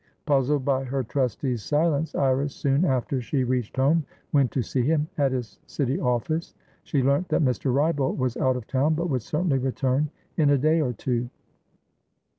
Puzzled by her trustee's silence, Iris, soon after she reached home, went to see him at his City Office. She learnt that Mr. Wrybolt was out of town, but would certainly return in a day or two.